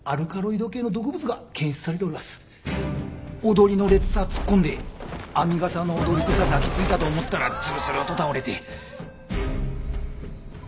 踊りの列さ突っ込んで編みがさの踊り手さ抱き付いたと思ったらずるずると倒れて。